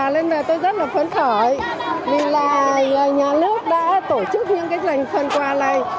nên là tôi rất là phấn khởi vì là nhà nước đã tổ chức những cái dành phần quà này